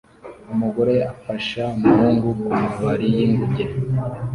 Umugore afasha umuhungu kumabari y'inguge